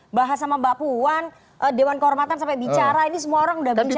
di bahas sama mbak puan dewan kehormatan sampai bicara ini semua orang sudah bicara